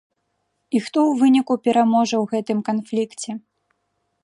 І хто ў выніку пераможа ў гэтым канфлікце?